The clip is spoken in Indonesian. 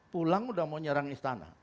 pulang udah mau nyerang istana